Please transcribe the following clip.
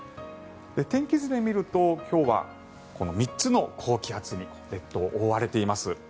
天気図で見ると今日は３つの高気圧に列島は覆われています。